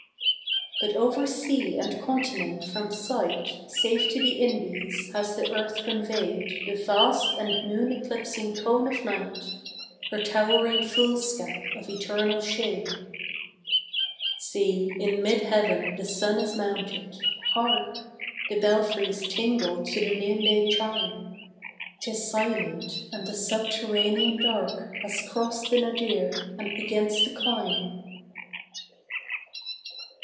But over sea and continent from sight Safe to the Indies has the earth conveyed The vast and moon eclipsing cone of night, Her towering foolscap of eternal shade. See, in mid heaven the sun is mounted; hark, The belfries tingle to the noonday chime. 'Tis silent, and the subterranean dark Has crossed the nadir, and begins to climb.